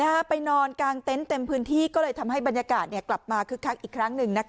ไปนอนกลางเต็นต์เต็มพื้นที่ก็เลยทำให้บรรยากาศกลับมาคึกคักอีกครั้งหนึ่งนะคะ